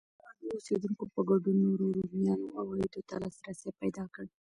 د عادي اوسېدونکو په ګډون نورو رومیانو عوایدو ته لاسرسی پیدا کړ.